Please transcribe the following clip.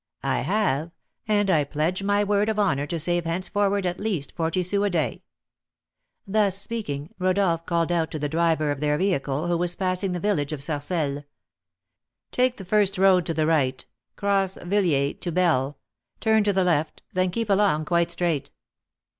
"I have; and I pledge my word of honour to save henceforward at least forty sous a day." Thus speaking, Rodolph called out to the driver of their vehicle, who was passing the village of Sarcelles, "Take the first road to the right, cross Villiers to Bel, turn to the left, then keep along quite straight."